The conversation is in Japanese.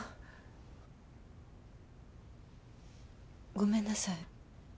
ごめんなさい。